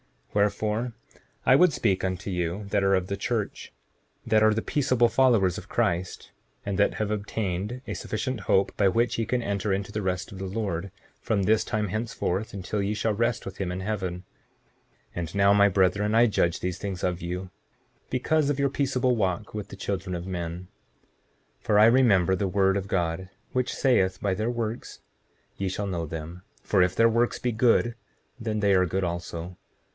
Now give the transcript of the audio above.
7:3 Wherefore, I would speak unto you that are of the church, that are the peaceable followers of Christ, and that have obtained a sufficient hope by which ye can enter into the rest of the Lord, from this time henceforth until ye shall rest with him in heaven. 7:4 And now my brethren, I judge these things of you because of your peaceable walk with the children of men. 7:5 For I remember the word of God, which saith by their works ye shall know them; for if their works be good, then they are good also.